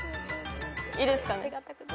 いいですかね。